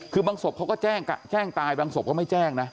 คือบางศพเขาก็แจ้งตายบางศพก็ไม่แจ้งนะ